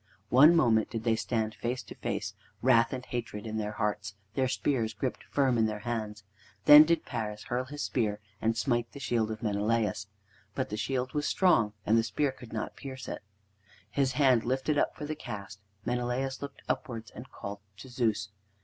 One moment did they stand face to face, wrath and hatred in their hearts, their spears gripped firm in their hands. Then did Paris hurl his spear and smite the shield of Menelaus. But the shield was strong and the spear could not pierce it. His hand lifted up for the cast, Menelaus looked upwards and called to Zeus.